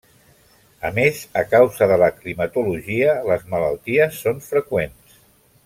A més, a causa de la climatologia, les malalties són freqüents.